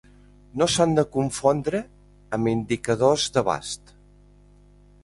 No s'han de confondre amb indicadors d'abast.